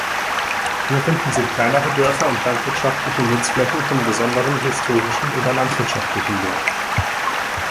Hier finden sich kleinere Dörfer und landwirtschaftliche Nutzflächen von besonderem historischen oder landschaftlichen Wert.